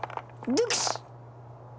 デュクシ！